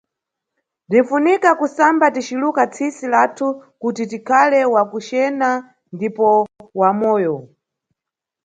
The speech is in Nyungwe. Bzinʼfunika kusamba ticiluka tsisi lathu kuti tikhale wakucena ndipo wa moyo.